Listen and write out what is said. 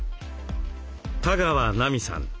多川奈美さん。